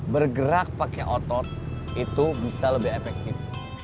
bergerak pakai otot itu bisa lebih efektif